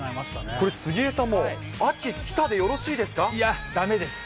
これ、杉江さん、いや、だめです。